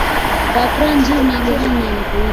ډاکټران ژر ناروغان معاینه کوي.